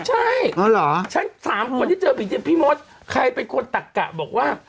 ใช่ฉันสามคนที่เจอผีพี่มดใครเป็นคนตักกะบอกว่า